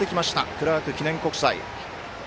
クラーク記念国際。